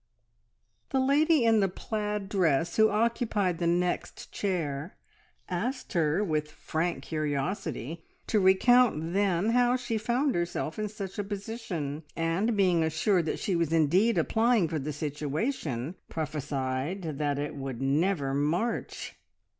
The lady in the plaid dress, who occupied the next chair, asked her with frank curiosity to recount then how she found herself in such a position, and, being assured that she was indeed applying for the situation, prophesied that it would never march!